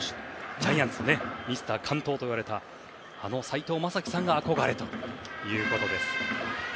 ジャイアンツのミスター完投といわれたあの斎藤雅樹さんが憧れということです。